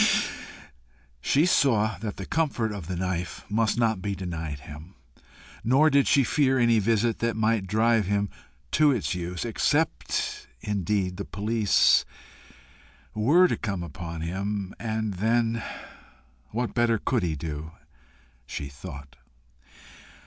Ha! ha!" She saw that the comfort of the knife must not be denied him. Nor did she fear any visit that might drive him to its use except indeed the police WERE to come upon him and then what better could he do? she thought.